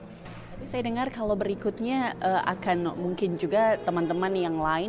jadi ya kita mulai dari sana ya tapi saya dengar kalau berikutnya akan mungkin juga teman teman yang lain